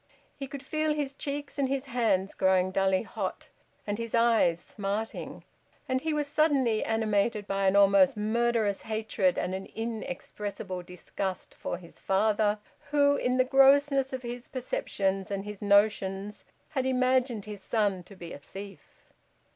He could feel his cheeks and his hands growing dully hot, and his eyes smarting; and he was suddenly animated by an almost murderous hatred and an inexpressible disgust for his father, who in the grossness of his perceptions and his notions had imagined his son to be a thief.